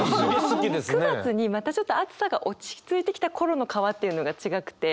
９月にまたちょっと暑さが落ち着いてきた頃の川っていうのが違くて。